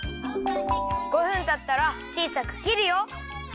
５分たったらちいさくきるよ。